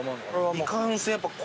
いかんせんやっぱ。